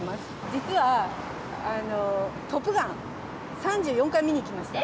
実はトップガン、３４回見に行きました。